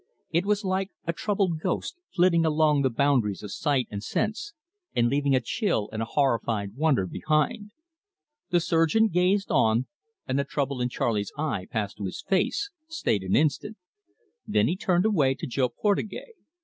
It was like a troubled ghost, flitting along the boundaries of sight and sense, and leaving a chill and a horrified wonder behind. The surgeon gazed on, and the trouble in Charley's eye passed to his face, stayed an instant. Then he turned away to Jo Portugais.